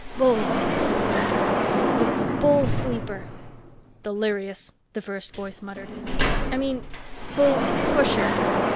"Bull," he croaked. "The bull sleeper!" "Delirious," the first voice muttered. "I mean bull pusher!"